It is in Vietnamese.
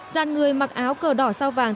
gian người mặc áo cờ đỏ sao vàng